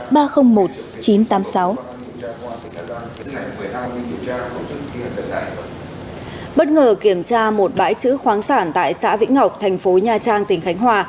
bất ngờ kiểm tra một bãi chữ khoáng sản tại xã vĩnh ngọc tp nha trang tỉnh khánh hòa